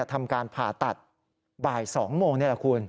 ทำการผ่าตัดบ่าย๒โมงนี่แหละคุณ